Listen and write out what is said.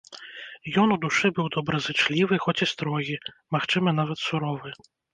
Ён у душы быў добразычлівы, хоць і строгі, магчыма, нават суровы.